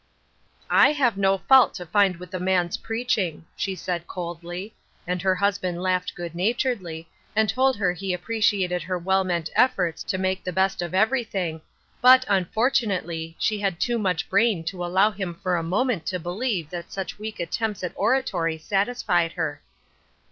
" I have no fault to find with the man's preach ing," she said, coldl}' ; and her husband laughed good naturedly, and told her he appreciated her well meant efforts to make the best of every ''Eearken Unto Me,*' 86T thing , but, unfortunately, she had too much brain to allow him for a moment to believe that such weak attempts at oratory satisfied her.